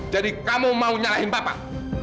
jadi kamu mau nyalahin bapak